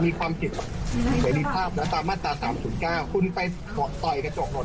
มีความผิดตามมาตราสามสุดเก้าคุณไปโต่อยกระจกรถ